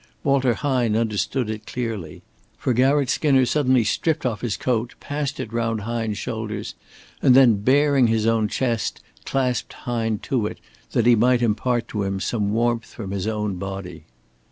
Walter Hine understood it clearly. For Garratt Skinner suddenly stripped off his coat, passed it round Hine's shoulders and then, baring his own breast, clasped Hine to it that he might impart to him some warmth from his own body.